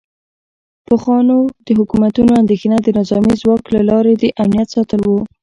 پخوا د حکومتونو اندیښنه د نظامي ځواک له لارې د امنیت ساتل و